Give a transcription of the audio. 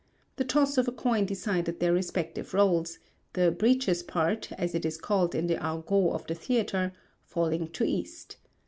The toss of a coin decided their respective rôles, the "breeches part" as it is called in the argot of the theatre, falling to East.